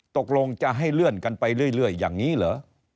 ตกลงจะให้เลื่อนกันไปเรื่อยอย่างนี้เหรอ